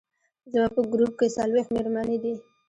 زموږ په ګروپ کې څلوېښت مېرمنې دي.